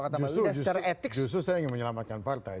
justru saya ingin menyelamatkan partai